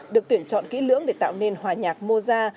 được tuyển chọn kỹ lưỡng để tạo nên hòa nhạc moza